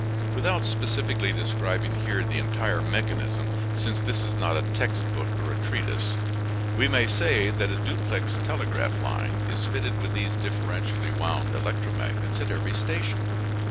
Without specifically describing here the entire mechanism since this is not a text book or a treatise we may say that a duplex telegraph line is fitted with these differentially wound electromagnets at every station.